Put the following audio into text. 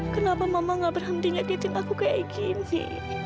kenapa mama gak berhenti nyakitin aku kayak gini